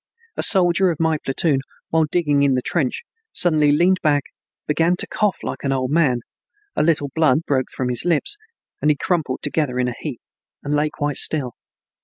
A soldier of my platoon, while digging in the trench, suddenly leaned back, began to cough like an old man, a little blood broke from his lips, and he crumpled together in a heap and lay quite still.